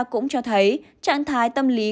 cũng cho thấy trạng thái tâm lý